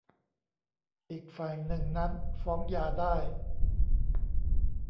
อีกฝ่ายหนึ่งนั้นฟ้องหย่าได้